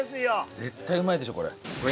絶対うまいでしょこれ。